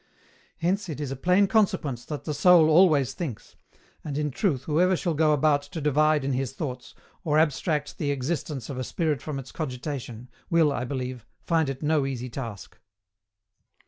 Hence, it is a plain consequence that the soul always thinks; and in truth whoever shall go about to divide in his thoughts, or abstract the existence of a spirit from its cogitation, will, I believe, find it no easy task.